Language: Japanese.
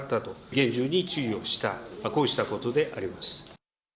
厳重に注意をした、こうしたことであります。